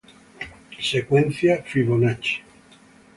Secuencia Fibonacci